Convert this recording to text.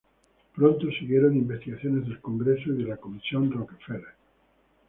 Pronto siguieron investigaciones del Congreso y la Comisión Rockefeller.